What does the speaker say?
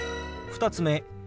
２つ目。